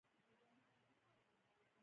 رئیس جمهور خپلو عسکرو ته امر وکړ؛ خبردار!